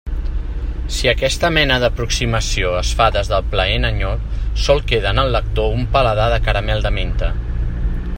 Si aquesta mena d'aproximació es fa des del plaent enyor, sol quedar en el lector un paladar de caramel de menta.